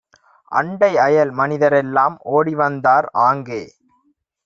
அண்டைஅயல் மனிதரெல்லாம் ஓடிவந்தார். ஆங்கே